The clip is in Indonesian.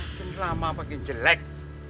makin lama makin jelek